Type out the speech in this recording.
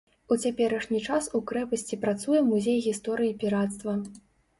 У цяперашні час у крэпасці працуе музей гісторыі пірацтва.